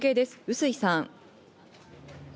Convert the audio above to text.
臼井さん。